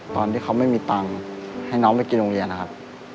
ตอนที่เขาไม่มีตังค์ให้น้องไปกินโรงเรียนนะครับ